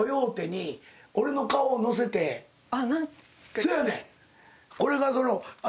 そやねん！